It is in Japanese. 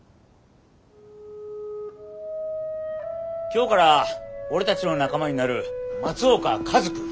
今日から俺たちの仲間になる松岡一くん。